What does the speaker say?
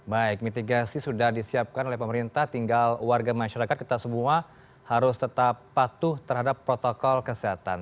baik mitigasi sudah disiapkan oleh pemerintah tinggal warga masyarakat kita semua harus tetap patuh terhadap protokol kesehatan